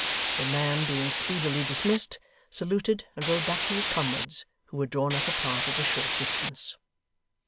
The man being speedily dismissed, saluted, and rode back to his comrades, who were drawn up apart at a short distance.